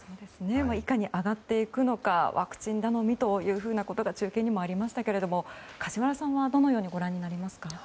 いかに上がっていくのかワクチン頼みというふうなことが中継にもありましたけど梶原さんはどのようにご覧になりますか？